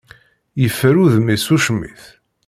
Yeffer udem-is ucmit.